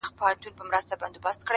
• هر یوه ته خپل قسمت وي رسېدلی -